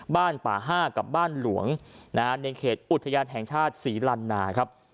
บ้านป่า๕กับบ้านหลวงในเขตอุทยานแห่งชาติศรีลันนาครับ